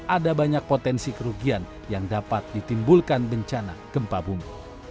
ada banyak potensi kerugian yang dapat ditimbulkan bencana gempa bumi